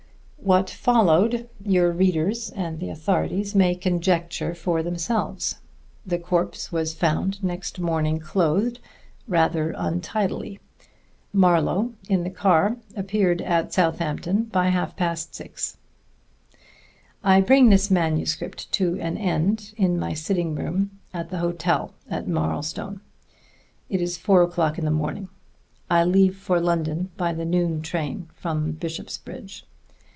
What followed your readers and the authorities may conjecture for themselves. The corpse was found next morning clothed rather untidily. Marlowe in the car appeared at Southampton by half past six. I bring this manuscript to an end in my sitting room at the hotel at Marlstone. It is four o'clock in the morning. I leave for London by the noon train from Bishopsbridge.